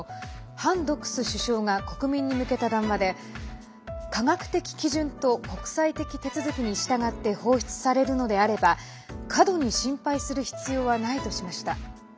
ハン・ドクス首相が国民に向けた談話で科学的基準と国際的手続きに従って放出されるのであれば過度に心配する必要はないとしました。